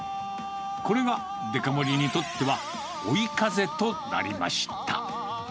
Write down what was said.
これがデカ盛りにとっては追い風となりました。